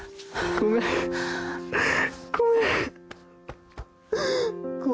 ごめんごめん。